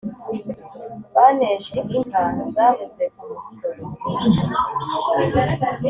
Banteje inka zabuze umusoro,